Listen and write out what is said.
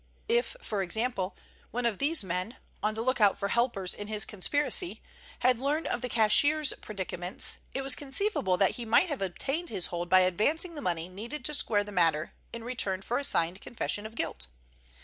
If, for example, one of these men, on the lookout for helpers in his conspiracy, had learned of the cashier's predicaments it was conceivable that he might have obtained his hold by advancing the money needed to square the matter in return for a signed confession of guilt.